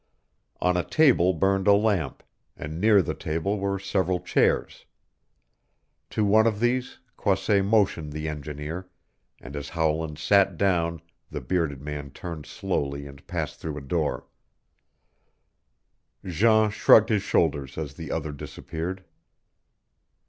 On a table burned a lamp, and near the table were several chairs. To one of these Croisset motioned the engineer, and as Howland sat down the bearded man turned slowly and passed through a door. Jean shrugged his shoulders as the other disappeared.